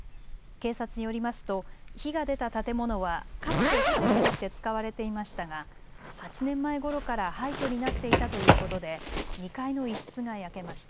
警察によりますと火が出た建物はかつてホテルとして使われていましたが８年前ごろから廃虚になっていたということで２階の一室が焼けました。